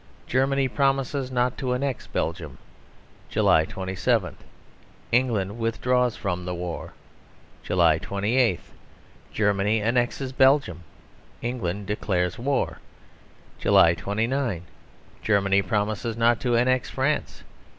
Germany promises not to annex Belgium. July 27. England withdraws from the war. July 28. Germany annexes Belgium. England declares war. July 29. Germany promises not to annex France.